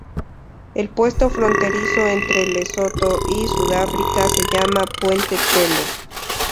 El puesto fronterizo entre Lesotho y Sudáfrica se llama Puente Tele.